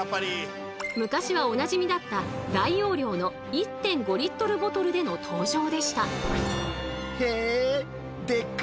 昔はおなじみだった大容量の１．５ボトルでの登場でした。